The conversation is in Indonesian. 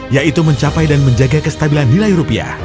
yaitu mencapai dan menjaga kestabilan nilai rupiah